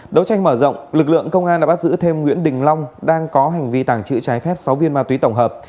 đấu tranh mở rộng lực lượng công an đã bắt giữ thêm nguyễn đình long đang có hành vi tàng trữ trái phép sáu viên ma túy tổng hợp